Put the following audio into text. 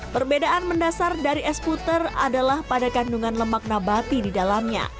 perbedaan mendasar dari es puter adalah pada kandungan lemak nabati di dalamnya